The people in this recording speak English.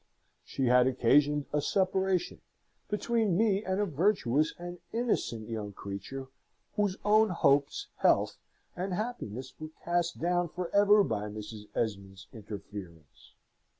She had occasioned a separation between me and a virtuous and innocent young creature, whose own hopes, health, and happiness were cast down for ever by Mrs. Esmond's interference.